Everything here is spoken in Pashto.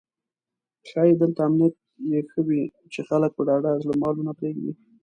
ښایي دلته امنیت یې ښه وي چې خلک په ډاډه زړه مالونه پرېږدي.